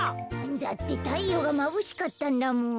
だってたいようがまぶしかったんだもん。